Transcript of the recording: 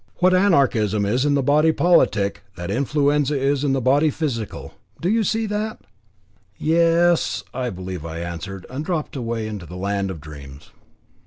What Anarchism is in the body Politic, that Influenza is in the body Physical. Do you see that?" "Ye e s e s," I believe I answered, and dropped away into the land of dreams.